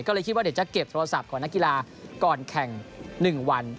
ก็เลยคิดว่าเดี๋ยวจะเก็บโทรศัพท์ของนักกีฬาก่อนแข่ง๑วัน